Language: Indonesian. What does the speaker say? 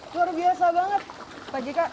luar biasa banget pak jk